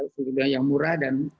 suku bunga yang murah dan